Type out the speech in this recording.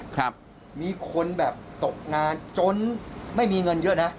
แต่มีคนตกงานโจ้นไม่มีเงินเยอะนะ